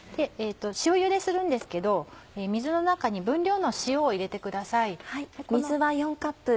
塩ゆでするんですけど水の中に分量の塩を入れてください。